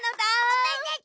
おめでと！